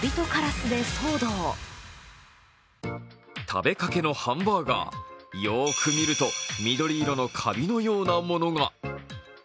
食べかけのハンバーガーよく見ると緑色のかびのようなものが。